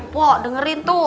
pok dengerin tuh